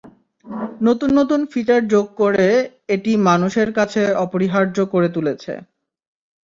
নতুন নতুন ফিচার যোগ করে এটি মানুষের কাছে অপরিহার্য করে তুলেছে।